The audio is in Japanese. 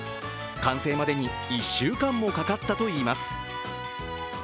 完成までに１週間もかかったといいます。